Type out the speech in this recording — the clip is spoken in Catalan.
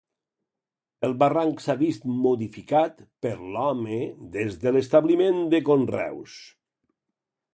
El barranc s'ha vist modificat per l'home des de l'establiment de conreus.